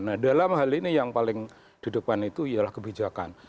nah dalam hal ini yang paling di depan itu ialah kebijakan